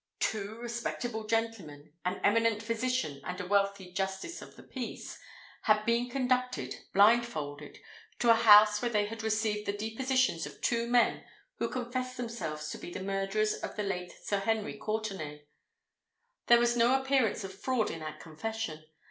Two respectable gentlemen—an eminent physician and a wealthy Justice of the Peace—had been conducted, blindfolded, to a house where they had received the depositions of two men who confessed themselves to be the murderers of the late Sir Henry Courtenay. There was no appearance of fraud in that confession.